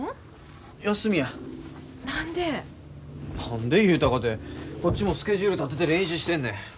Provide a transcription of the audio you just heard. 何で言うたかてこっちもスケジュール立てて練習してるねん。